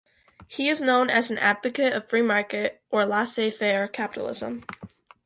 He is known as an advocate of free market or "laissez-faire" capitalism.